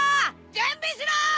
準備しろ！